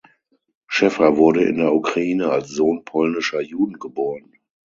Sheffer wurde in der Ukraine als Sohn polnischer Juden geboren.